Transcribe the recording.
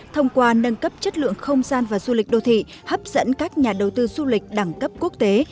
thông qua nâng cấp chất lượng không gian và du lịch đô thị hấp dẫn các nhà đầu tư du lịch đẳng cấp quốc tế